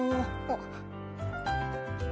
あっ。